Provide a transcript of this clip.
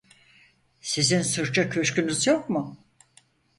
Sizin sırça köşkünüz yok mu?